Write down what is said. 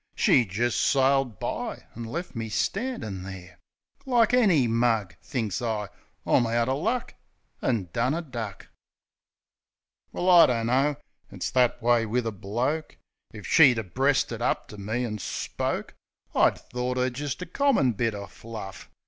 She jist sailed by an' lef me standin' there Like any mug. Thinks I, "I'm out er luck," An' done a duck. THE INTRO 31 Well, I dunno. It's that way wiv a bloke. If she'd ha' breasted up ter me an' spoke, I'd thort 'er jist a commit! bit er fluif.